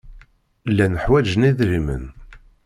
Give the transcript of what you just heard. Llan ḥwajen idrimen.